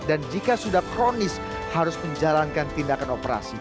dan jika sudah kronis harus menjalankan tindakan operasi